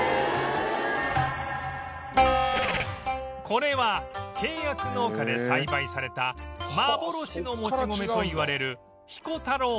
これは契約農家で栽培された幻のもち米といわれる彦太郎糯